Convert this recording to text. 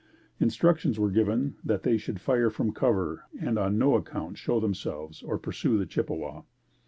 Instructions were given that they should fire from cover and on no account show themselves or pursue the Chippewa.